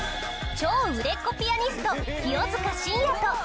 超売れっ子ピアニスト清塚信也と。